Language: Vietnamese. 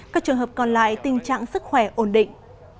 các trường hợp còn lại tình trạng sức khỏe ổn định